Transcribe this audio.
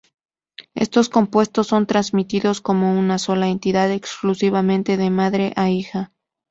Estos compuestos son transmitidos como una sola entidad exclusivamente de madre a hija.